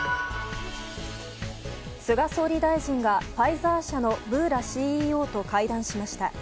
菅総理大臣がファイザー社のブーラＣＥＯと会談しました。